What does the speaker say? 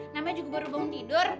namanya juga baru bangun tidur